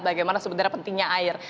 bagaimana sebenarnya pentingnya air